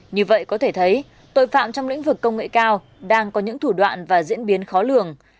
như vậy có thể thấy tội phạm trong lĩnh vực công nghệ cao đang có những thủ đoạn và diễn biến khó lường